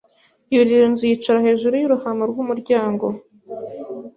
yurira inzu yicara hejuru y ‘uruhamo rw’umuryango